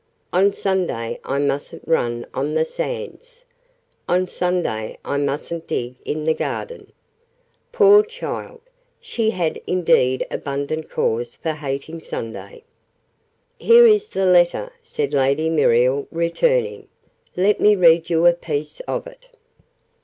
On Sunday I mustn't run on the sands! On Sunday I mustn't dig in the garden!' Poor child! She had indeed abundant cause for hating Sunday!" "Here is the letter," said Lady Muriel, returning. "Let me read you a piece of it."